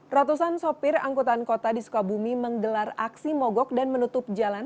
ratusan sopir angkutan kota di sukabumi menggelar aksi mogok dan menutup jalan